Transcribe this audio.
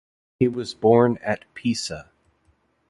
He was born at Pisa.